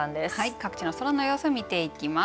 各地の空の様子を見ていきます。